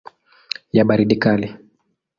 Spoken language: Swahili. ya baridi kali.